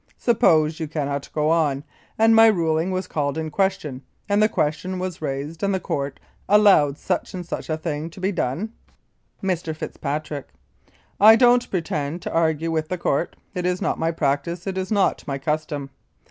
Suppose you cannot go on, and my ruling was called in question, and the question was raised and the Court allowed such and such a thing to be done? Mr. FITZPATRICK: I don't pretend to argue with the Court. It is not my practice, it is not my custom.